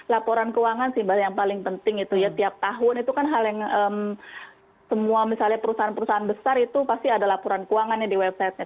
laporan keuangan sih mbak yang paling penting itu ya tiap tahun itu kan hal yang semua misalnya perusahaan perusahaan besar itu pasti ada laporan keuangannya di websitenya